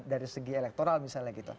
dari segi elektoral misalnya gitu